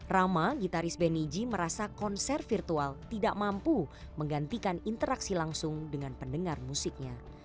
rama gitaris beniji merasa konser virtual tidak mampu menggantikan interaksi langsung dengan pendengar musiknya